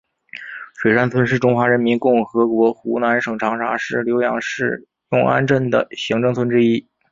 水山村是中华人民共和国湖南省长沙市浏阳市永安镇的行政村之一。